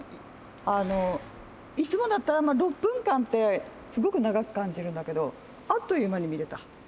いつもだったら、６分間ってすごく長く感じるんだけど、あっという間に見れた。